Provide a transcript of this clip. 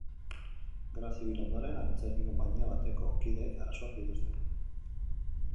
Gerra Zibil ondoren, antzerki konpainia bateko kideek arazoak dituzte.